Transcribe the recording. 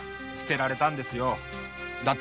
捨てられたんですよ！